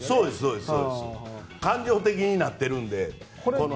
感情的になっているんで。